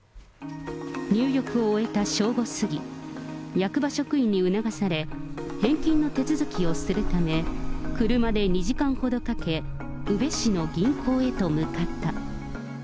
入浴を終えた正午過ぎ、役場職員に促され、返金の手続きをするため、車で２時間ほどかけ、宇部市の銀行へと向かった。